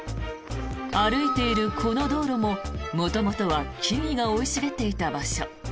歩いているこの道路も元々は木々が生い茂っていた場所。